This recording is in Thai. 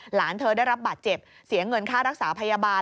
หลานเธอได้รับบาดเจ็บเสียเงินค่ารักษาพยาบาล